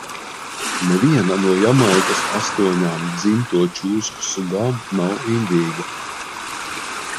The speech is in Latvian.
Neviena no Jamaikas astoņām dzimto čūsku sugām nav indīga.